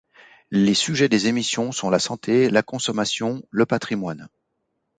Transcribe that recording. Les sujets des émissions sont la santé, la consommation, le patrimoine...